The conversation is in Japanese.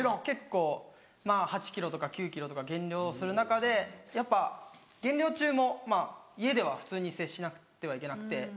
結構まぁ８ｋｇとか９ｋｇとか減量する中でやっぱ減量中も家では普通に接しなくてはいけなくて。